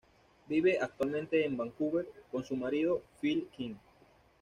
Vive actualmente en Vancouver con su marido, Phil Kim.